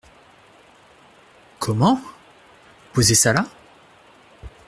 Comment ! posez ça là ?